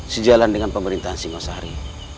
sejalan dengan pemerintahan singosari